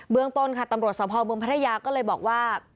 เมืองต้นค่ะตำรวจสภเมืองพัทยาก็เลยบอกว่า